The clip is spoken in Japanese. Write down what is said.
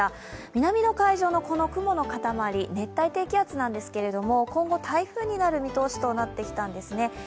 南の海上の、この雲の塊熱帯低気圧なんですけれども今後、台風となる見通しとなってきたんですね。